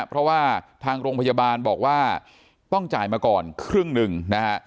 เพราะว่าทางโรงพยาบาลบอกว่าต้องจ่ายมาก่อนครึ่งหนึ่งนะฮะ